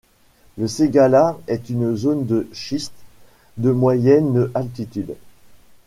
Le Ségala est une zone de schistes de moyenne altitude.